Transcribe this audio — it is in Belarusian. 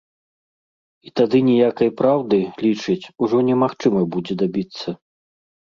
І тады ніякай праўды, лічыць, ужо немагчыма будзе дабіцца.